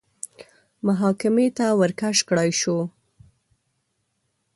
محاکمې ته ورکش کړای شو